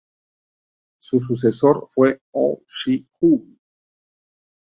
Su sucesor fue Oh Se-hoon.